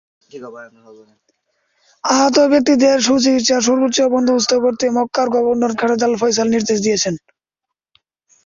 আহত ব্যক্তিদের সুচিকিৎসার সর্বোচ্চ বন্দোবস্ত করতে মক্কার গভর্নর খালেদ আল-ফয়সাল নির্দেশ দিয়েছেন।